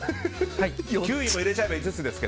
９位も入れちゃえば５つですが。